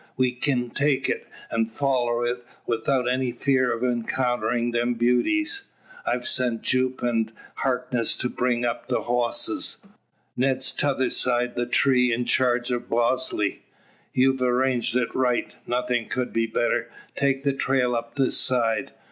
We kin take it, an' foller it without any fear o' encounterin' them beauties. I've sent Jupe and Harkness to bring up the hosses. Ned's tother side the tree in charge o' Bosley." "You've arranged it right. Nothing could be better. Take the trail up this side.